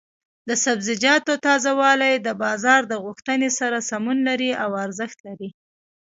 د سبزیجاتو تازه والي د بازار د غوښتنې سره سمون لري او ارزښت لري.